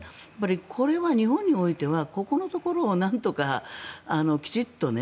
これは日本においてはここのところをなんとかきちんとね。